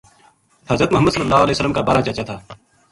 حضرت محمد ﷺ کا بارہ چاچا تھا۔